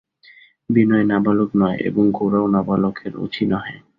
বিনয় নাবালক নয় এবং গোরাও নাবলকের অছি নহে।